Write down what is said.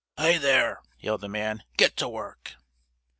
"Hi there!" yelled the man. "Get to work!"